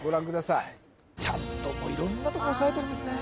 はいちゃんともう色んなとこおさえてるんですね